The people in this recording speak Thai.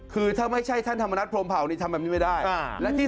คือถ้าไม่ใช่ท่านธรรมนัฐพรมเผานี่ทำแบบนี้ไม่ได้